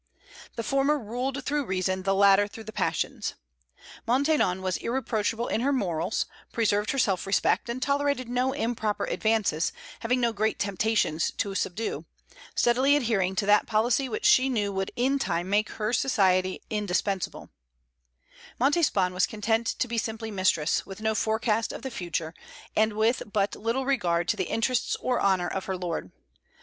The former ruled through the reason; the latter through the passions. Maintenon was irreproachable in her morals, preserved her self respect, and tolerated no improper advances, having no great temptations to subdue, steadily adhering to that policy which she knew would in time make her society indispensable; Montespan was content to be simply mistress, with no forecast of the future, and with but little regard to the interests or honor of her lord.